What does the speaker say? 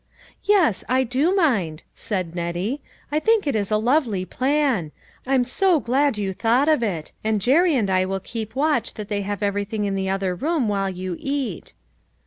" Yes, T do mind," said Nettie ;" I think it is a lovely plan; I'm so glad you thought of it, A COMPLETE 8UCCES8. 215 and Jerry and I will keep watch that they have everything in the other room, while you eat."